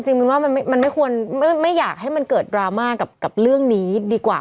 มินว่ามันไม่ควรไม่อยากให้มันเกิดดราม่ากับเรื่องนี้ดีกว่า